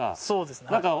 そうですね